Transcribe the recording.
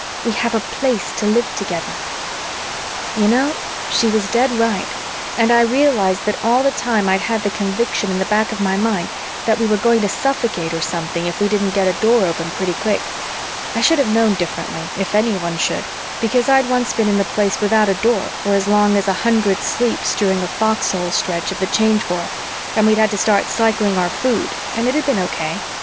We have a Place to live together." You know, she was dead right and I realized that all the time I'd had the conviction in the back of my mind that we were going to suffocate or something if we didn't get a Door open pretty quick. I should have known differently, if anybody should, because I'd once been in the Place without a Door for as long as a hundred sleeps during a foxhole stretch of the Change War and we'd had to start cycling our food and it had been okay.